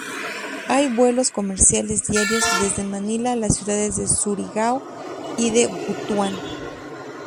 Hay vuelos comerciales diarios desde Manila a las ciudades de Surigao y de Butuan.